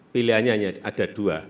pilihannya hanya ada dua